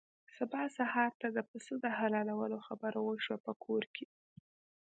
سبا سهار ته د پسه د حلالولو خبره وشوه په کور کې.